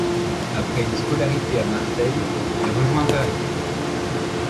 Après une scolarité à Marseille, il rejoint Paris.